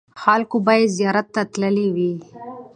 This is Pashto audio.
خلکو به یې زیارت ته تللي وي.